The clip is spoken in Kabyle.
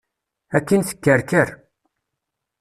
Akin tekkerker.